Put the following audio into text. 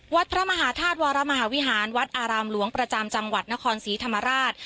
วัดพระมหาธาตุวรมหาวิหารวัดอารามหลวงประจำจังหวัดนครศรีธรรมราช